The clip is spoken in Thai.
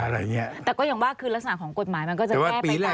แต่ก็ยังว่าคือลักษณะของกฎหมายมันก็จะแก้ไปตาม